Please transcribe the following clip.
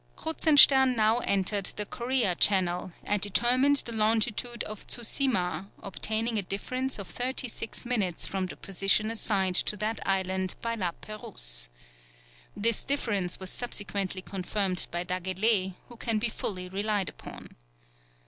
Kruzenstern now entered the Corea Channel, and determined the longitude of Tsusima, obtaining a difference of thirty six minutes from the position assigned to that island by La Pérouse. This difference was subsequently confirmed by Dagelet, who can be fully relied upon.